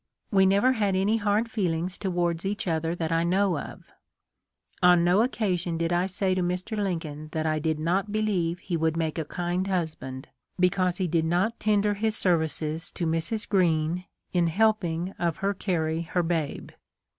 We never had any hard feelings towards each other that I know of. On no occasion did I say to Mr. Lincoln that I did not believe he would make a kind husband, because he did not tender his ser vices to Mrs. Greene in helping of her carry her babe.